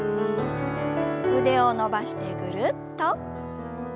腕を伸ばしてぐるっと。